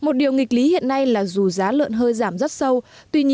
tuy nhiên giá lợn hơi giảm rất sâu